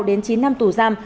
đến chín năm tù giam